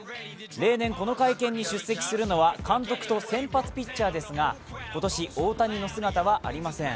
例年、この会見に出席するのは監督と先発ピッチャーですが今年、大谷の姿はありません。